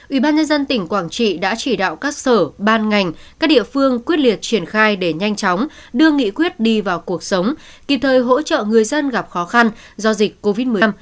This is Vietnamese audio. ubnd tỉnh quảng trị đã chỉ đạo các sở ban ngành các địa phương quyết liệt triển khai để nhanh chóng đưa nghị quyết đi vào cuộc sống kịp thời hỗ trợ người dân gặp khó khăn do dịch covid một mươi chín